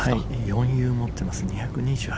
４Ｕを持ってます。